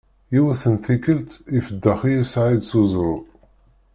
Yiwet n tikelt ifeddex-iyi Saɛid s uẓru.